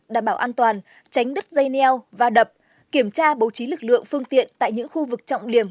đảm bảo an toàn tránh đứt dây neo va đập kiểm tra bầu trí lực lượng phương tiện tại những khu vực trọng liềm